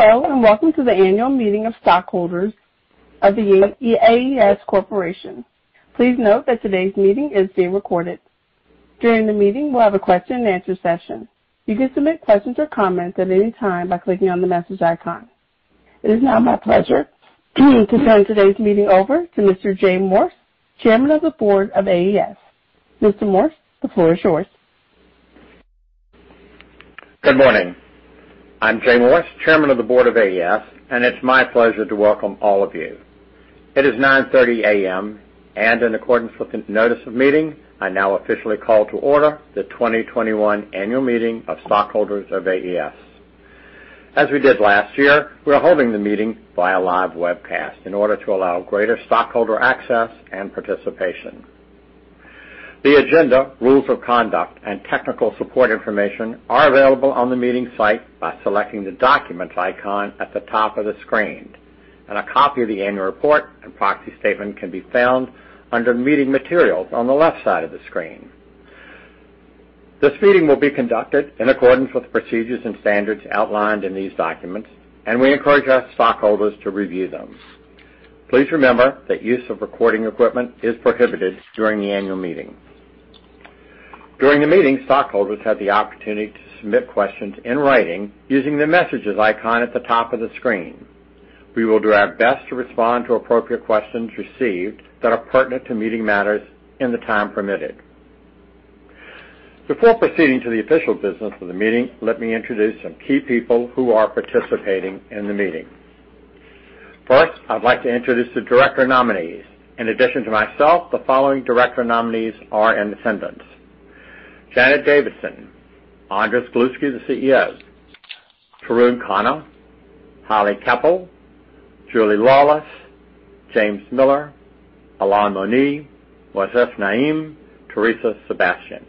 Hello, and welcome to the annual meeting of stockholders of The AES Corporation. Please note that today's meeting is being recorded. During the meeting, we'll have a question-and-answer session. You can submit questions or comments at any time by clicking on the message icon. It is now my pleasure to turn today's meeting over to Mr. Jay Morse, Chairman of the Board of AES. Mr. Morse, the floor is yours. Good morning. I'm Jay Morse, Chairman of the Board of AES, and it's my pleasure to welcome all of you. It is 9:30 A.M. In accordance with the notice of meeting, I now officially call to order the 2021 annual meeting of stockholders of AES. As we did last year, we are holding the meeting via live webcast in order to allow greater stockholder access and participation. The agenda, rules of conduct, and technical support information are available on the meeting site by selecting the documents icon at the top of the screen. A copy of the annual report and proxy statement can be found under Meeting Materials on the left side of the screen. This meeting will be conducted in accordance with the procedures and standards outlined in these documents. We encourage our stockholders to review them. Please remember that use of recording equipment is prohibited during the annual meeting. During the meeting, stockholders have the opportunity to submit questions in writing using the Messages icon at the top of the screen. We will do our best to respond to appropriate questions received that are pertinent to meeting matters in the time permitted. Before proceeding to the official business of the meeting, let me introduce some key people who are participating in the meeting. First, I'd like to introduce the director nominees. In addition to myself, the following director nominees are in attendance: Janet Davidson, Andrés Gluski, the CEO, Tarun Khanna, Holly Keller Koeppel, Julie Laulis, James Miller, Alain Monié, Moisés Naím, Teresa Sebastian.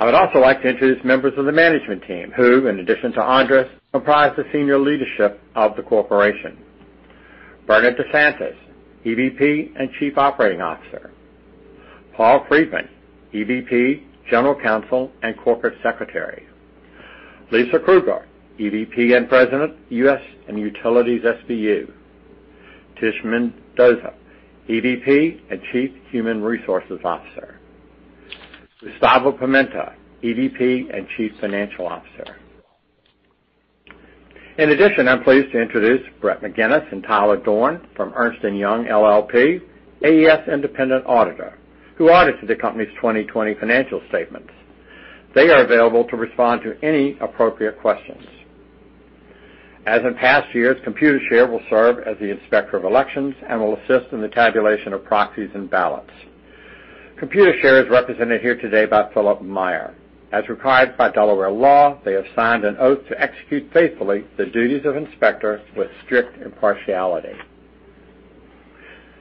I would also like to introduce members of the management team, who, in addition to Andrés, comprise the senior leadership of the corporation. Bernerd Da Santos, EVP and Chief Operating Officer. Paul Freedman, EVP, General Counsel, and Corporate Secretary. Lisa Krueger, EVP and President, US and Utilities SBU. Tish Mendoza, EVP and Chief Human Resources Officer. Gustavo Pimenta, EVP and Chief Financial Officer. In addition, I'm pleased to introduce Brett McGinnis and Tyler Dorn from Ernst & Young LLP, AES independent auditor, who audited the company's 2020 financial statements. They are available to respond to any appropriate questions. As in past years, Computershare will serve as the inspector of elections and will assist in the tabulation of proxies and ballots. Computershare is represented here today by Philip Meyer. As required by Delaware law, they have signed an oath to execute faithfully the duties of inspector with strict impartiality.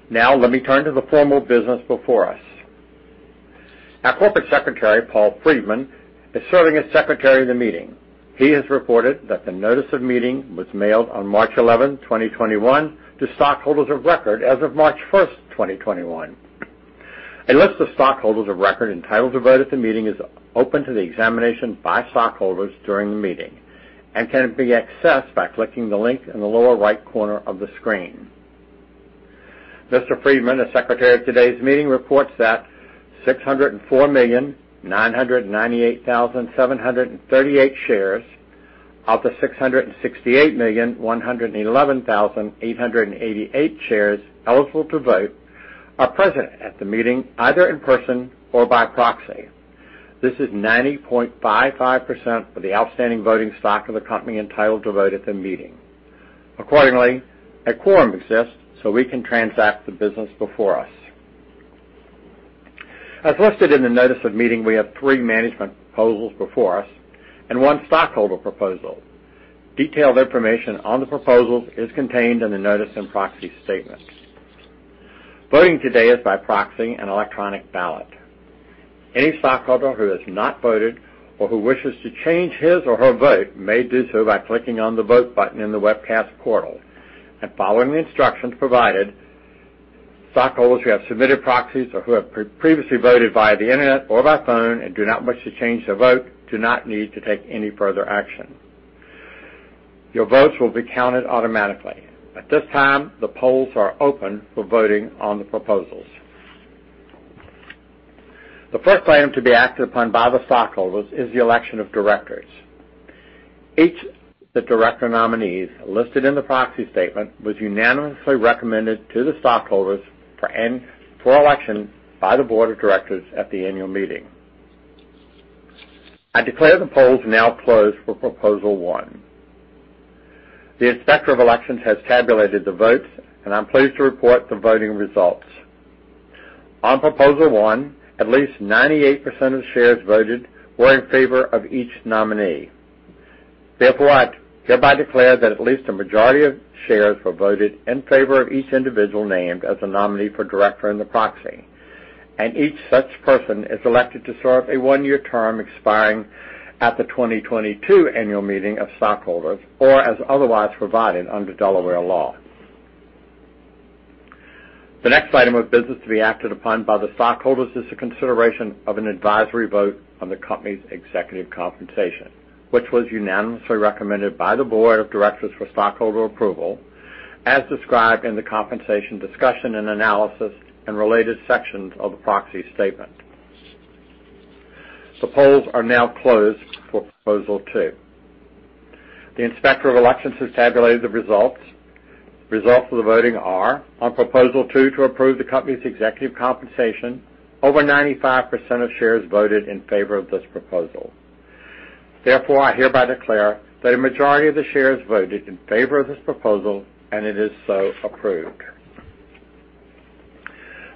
Now let me turn to the formal business before us. Our corporate secretary, Paul Freedman, is serving as secretary of the meeting. He has reported that the notice of meeting was mailed on March 11, 2021 to stockholders of record as of March 1, 2021. A list of stockholders of record entitled to vote at the meeting is open to the examination by stockholders during the meeting and can be accessed by clicking the link in the lower right corner of the screen. Mr. Freedman, as secretary of today's meeting, reports that 604,998,738 shares out of 668,111,888 shares eligible to vote are present at the meeting, either in person or by proxy. This is 90.55% of the outstanding voting stock of the company entitled to vote at the meeting. Accordingly, a quorum exists. We can transact the business before us. As listed in the notice of meeting, we have three management proposals before us and one stockholder proposal. Detailed information on the proposals is contained in the notice and proxy statement. Voting today is by proxy and electronic ballot. Any stockholder who has not voted or who wishes to change his or her vote may do so by clicking on the Vote button in the webcast portal and following the instructions provided. Stockholders who have submitted proxies or who have previously voted via the Internet or by phone and do not wish to change their vote do not need to take any further action. Your votes will be counted automatically. At this time, the polls are open for voting on the proposals. The first item to be acted upon by the stockholders is the election of directors. Each of the director nominees listed in the proxy statement was unanimously recommended to the stockholders for election by the board of directors at the annual meeting. I declare the polls now closed for proposal one. The inspector of elections has tabulated the votes, and I'm pleased to report the voting results. On proposal one, at least 98% of the shares voted were in favor of each nominee. Therefore, I hereby declare that at least a majority of shares were voted in favor of each individual named as a nominee for director in the proxy, and each such person is elected to serve a one-year term expiring at the 2022 annual meeting of stockholders or as otherwise provided under Delaware law. The next item of business to be acted upon by the stockholders is the consideration of an advisory vote on the company's executive compensation, which was unanimously recommended by the Board of Directors for stockholder approval as described in the compensation discussion and analysis and related sections of the proxy statement. The polls are now closed for proposal two. The Inspector of Elections has tabulated the results. Results of the voting are: on proposal two to approve the company's executive compensation, over 95% of shares voted in favor of this proposal. Therefore, I hereby declare that a majority of the shares voted in favor of this proposal, and it is so approved.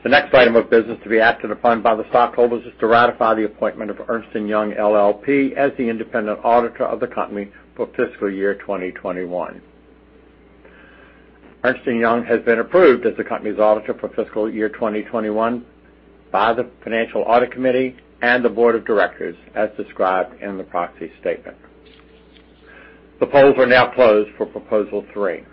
The next item of business to be acted upon by the stockholders is to ratify the appointment of Ernst & Young LLP as the independent auditor of the company for fiscal year 2021. Ernst & Young has been approved as the company's auditor for fiscal year 2021 by the Financial Audit Committee and the board of directors as described in the proxy statement. The polls are now closed for proposal three.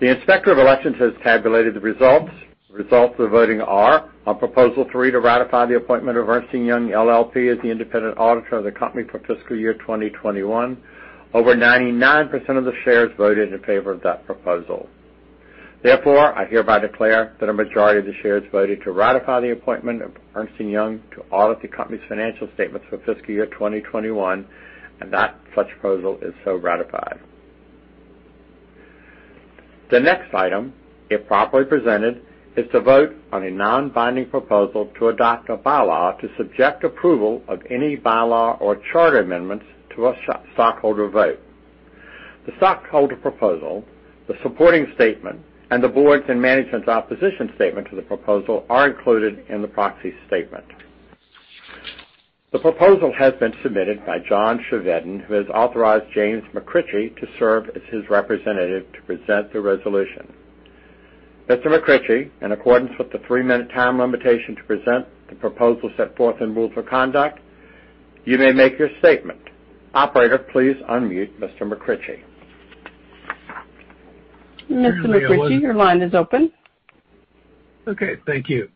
The Inspector of Elections has tabulated the results. The results of the voting are: on proposal three to ratify the appointment of Ernst & Young LLP as the independent auditor of the company for fiscal year 2021, over 99% of the shares voted in favor of that proposal. Therefore, I hereby declare that a majority of the shares voted to ratify the appointment of Ernst & Young to audit the company's financial statements for fiscal year 2021, and that such proposal is so ratified. The next item, if properly presented, is to vote on a non-binding proposal to adopt a bylaw to subject approval of any bylaw or charter amendments to a stockholder vote. The stockholder proposal, the supporting statement, and the board's and management's opposition statement to the proposal are included in the proxy statement. The proposal has been submitted by John Chevedden, who has authorized James McRitchie to serve as his representative to present the resolution. Mr. McRitchie, in accordance with the three-minute time limitation to present the proposal set forth in rules of conduct, you may make your statement. Operator, please unmute Mr. McRitchie. Mr. McRitchie, your line is open. Okay, thank you.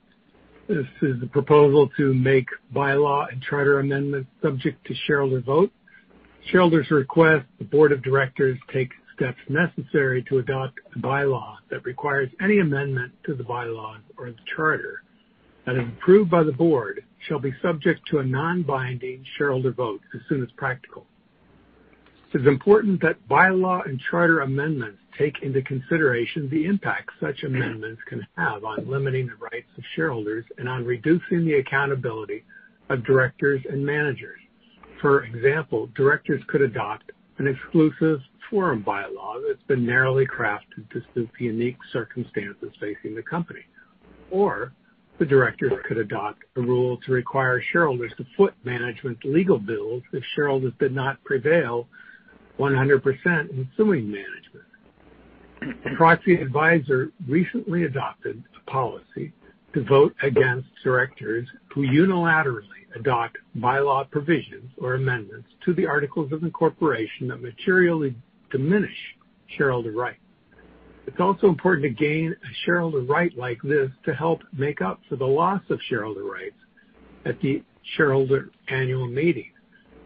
This is a proposal to make bylaw and charter amendments subject to shareholder vote. Shareholders request the board of directors take steps necessary to adopt a bylaw that requires any amendment to the bylaws or the charter that, if approved by the board, shall be subject to a non-binding shareholder vote as soon as practical. It is important that bylaw and charter amendments take into consideration the impact such amendments can have on limiting the rights of shareholders and on reducing the accountability of directors and managers. For example, directors could adopt an exclusive forum bylaw that's been narrowly crafted to suit the unique circumstances facing the company. The directors could adopt a rule to require shareholders to foot management's legal bills if shareholders did not prevail 100% in suing management. Proxy adviser recently adopted a policy to vote against directors who unilaterally adopt bylaw provisions or amendments to the articles of incorporation that materially diminish shareholder rights. It's also important to gain a shareholder right like this to help make up for the loss of shareholder rights at the shareholder annual meeting.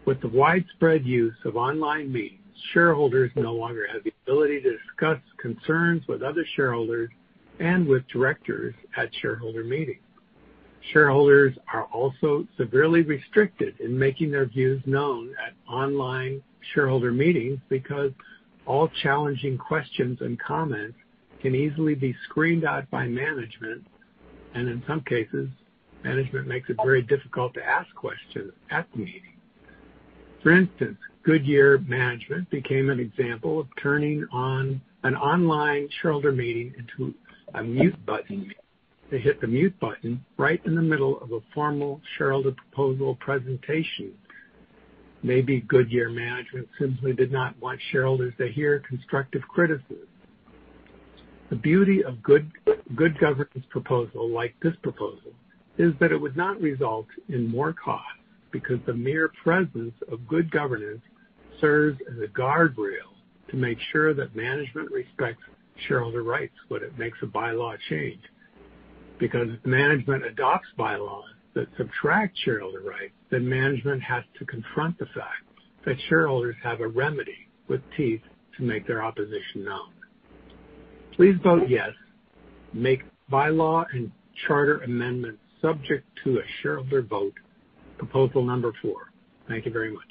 With the widespread use of online meetings, shareholders no longer have the ability to discuss concerns with other shareholders and with directors at shareholder meetings. Shareholders are also severely restricted in making their views known at online shareholder meetings because all challenging questions and comments can easily be screened out by management, and in some cases, management makes it very difficult to ask questions at the meeting. For instance, Goodyear management became an example of turning on an online shareholder meeting into a mute button. They hit the mute button right in the middle of a formal shareholder proposal presentation. Maybe Goodyear management simply did not want shareholders to hear constructive criticism. The beauty of good governance proposal like this proposal is that it would not result in more costs because the mere presence of good governance serves as a guardrail to make sure that management respects shareholder rights when it makes a bylaw change. If management adopts bylaws that subtract shareholder rights, then management has to confront the fact that shareholders have a remedy with teeth to make their opposition known. Please vote yes. Make bylaw and charter amendments subject to a shareholder vote, proposal number four. Thank you very much.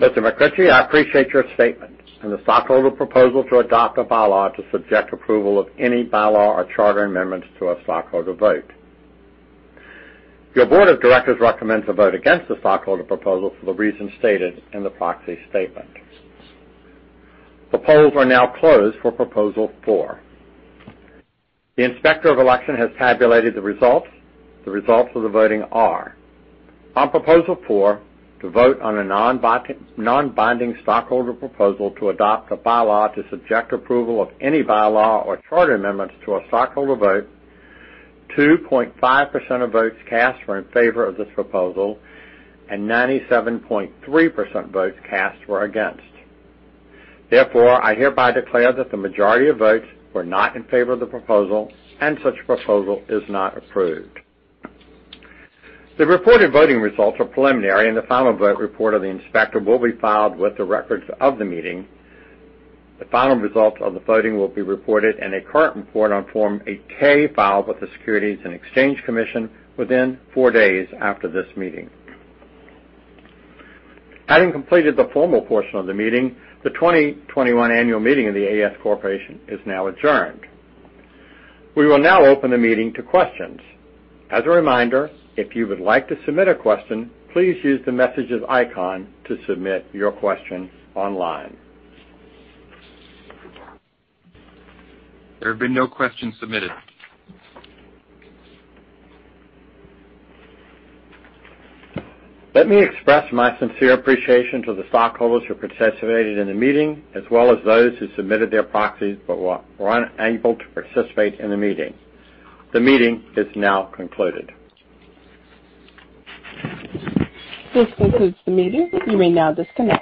Mr. McRitchie, I appreciate your statement on the stockholder proposal to adopt a bylaw to subject approval of any bylaw or charter amendments to a stockholder vote. Your board of directors recommends a vote against the stockholder proposal for the reasons stated in the proxy statement. The polls are now closed for proposal four. The Inspector of Election has tabulated the results. The results of the voting are: on proposal four, to vote on a non-binding stockholder proposal to adopt a bylaw to subject approval of any bylaw or charter amendments to a stockholder vote, 2.5% of votes cast were in favor of this proposal, and 97.3% of votes cast were against. Therefore, I hereby declare that the majority of votes were not in favor of the proposal and such proposal is not approved. The reported voting results are preliminary, and the final vote report of the inspector will be filed with the records of the meeting. The final results of the voting will be reported in a current report on Form 8-K filed with the Securities and Exchange Commission within four days after this meeting. Having completed the formal portion of the meeting, the 2021 annual meeting of The AES Corporation is now adjourned. We will now open the meeting to questions. As a reminder, if you would like to submit a question, please use the Messages icon to submit your question online. There have been no questions submitted. Let me express my sincere appreciation to the stockholders who participated in the meeting as well as those who submitted their proxies but were unable to participate in the meeting. The meeting is now concluded. This concludes the meeting. You may now disconnect.